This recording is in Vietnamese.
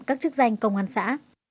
các chức danh công an xã